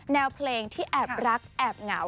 แนวเพลงที่แอบรักแอบเหงา